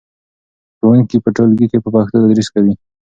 ښوونکي په ټولګي کې په پښتو تدریس کوي.